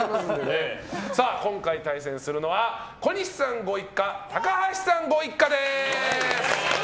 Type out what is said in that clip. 今回対戦するのは小西さんご一家高橋さんご一家です。